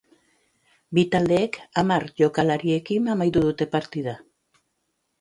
Bi taldeek hamar jokalarirekin amaitu dute partida.